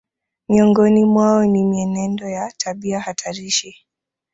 Miongoni mwao ni mienendo ya tabia hatarishi